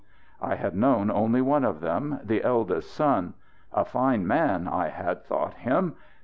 I had known only one of them the eldest son. A fine man, I had thought him.